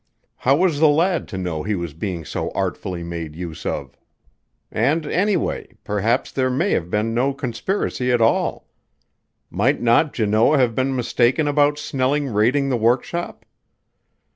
How was the lad to know he was being so artfully made use of? And anyway, perhaps there may have been no conspiracy at all. Might not Janoah have been mistaken about Snelling raiding the workshop?